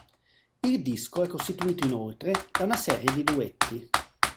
Il disco è costituito inoltre da una serie di duetti.